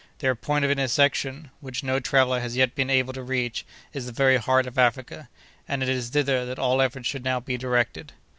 Their point of intersection, which no traveller has yet been able to reach, is the very heart of Africa, and it is thither that all efforts should now be directed.